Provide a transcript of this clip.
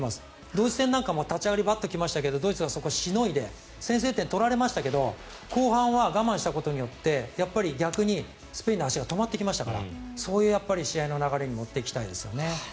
ドイツ戦なんかも立ち上がりにバッと来ましたけどドイツがそこをしのいで先制点を取られましたが後半は我慢したことによって逆にスペインの足が止まってきましたからそういう試合の流れに持っていきたいですよね。